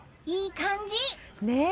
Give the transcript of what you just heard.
いい感じ！